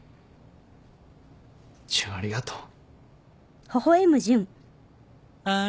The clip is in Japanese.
純ありがとう。